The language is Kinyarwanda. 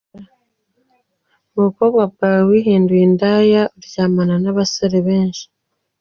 Mu bukobwa bwawe wihinduye indaya, uryamana n’abasore benshi.